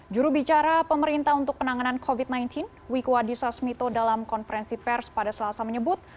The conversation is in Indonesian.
jurubicara pemerintah untuk penanganan covid sembilan belas wiku adhisa smito dalam konferensi pers pada selasa menyebut